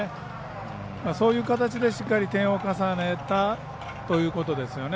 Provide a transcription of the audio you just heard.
そういう形でしっかり点を重ねたということですよね。